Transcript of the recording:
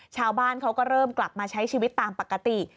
ชาวบ้านเขาก็เริ่มกลับมาใช้ชีวิตตามปกติ